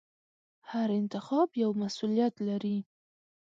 هر انتخاب یو مسؤلیت لري.